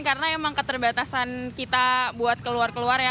karena emang keterbatasan kita buat keluar keluar ya